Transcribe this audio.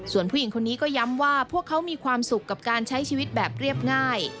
ส่วนผู้หญิงคนนี้ก็ย้ำว่าพวกเขามีความสุขกับการใช้ชีวิตแบบเรียบง่าย